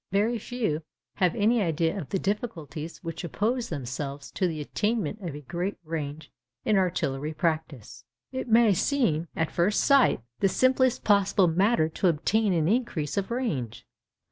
Very few have any idea of the difficulties which oppose themselves to the attainment of a great range in artillery practice. It may seem, at first sight, the simplest possible matter to obtain an increase of range.